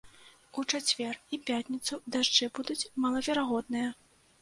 У чацвер і пятніцу дажджы будуць малаверагодныя.